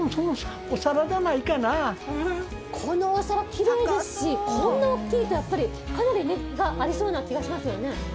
このお皿きれいですしこんな大きいとやっぱりかなり値がありそうな気がしますよね。